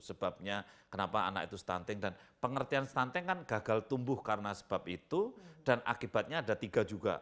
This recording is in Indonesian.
sebabnya kenapa anak itu stunting dan pengertian stunting kan gagal tumbuh karena sebab itu dan akibatnya ada tiga juga